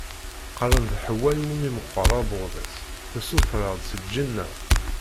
Qqaren d Ḥewwa iwumi meqqer aɛebbuḍ-is tessuṭer-aɣ-d seg lǧenna.